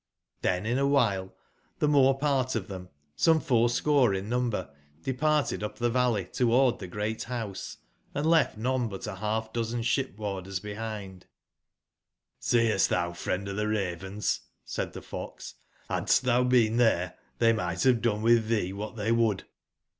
Chen in a while the more part of them , som e four/score in n um ber, departed u p the valley toward the great housed left none but a half dozen ship/warders behind j!^"Seest thou, friend of the Ravens," said the fox, " bads t thou been there, they might have don e with thee what they wou Id.